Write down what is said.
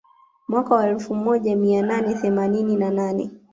Mwaka wa elfu moja mia nane themanini na nane